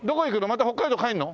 また北海道帰るの？